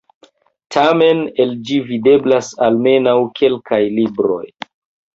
Tamen el ĝi videblas almenaŭ kelkaj libroj.